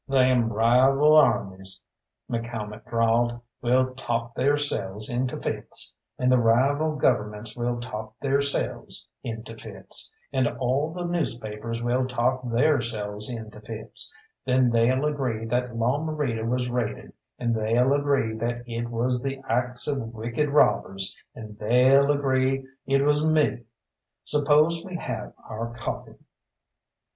"Them rival armies," McCalmont drawled, "will talk theyrselves into fits, and the rival Governments will talk theyrselves into fits; and all the newspapers will talk theyrselves into fits; then they'll agree that La Morita was raided, and they'll agree that it was the acts of wicked robbers, and they'll agree it was me. 'Spose we have our coffee."